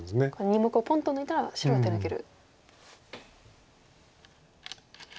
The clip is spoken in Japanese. ２目をポンと抜いたら白は手抜ける。